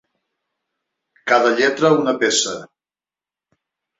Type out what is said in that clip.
Cada lletra, una peça.